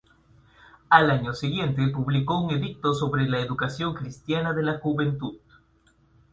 Al año siguiente publicó un edicto sobre la educación cristiana de la juventud.